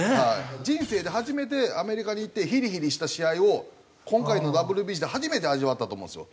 人生で初めてアメリカに行ってヒリヒリした試合を今回のＷＢＣで初めて味わったと思うんですよ。